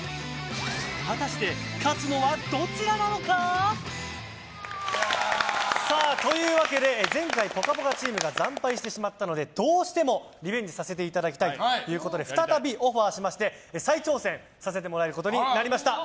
果たして勝つのはどちらなのか！？というわけで前回「ぽかぽか」チームが惨敗してしまったのでどうしてもリベンジさせていただきたいということで再びオファーしまして再挑戦させてもらえることになりました。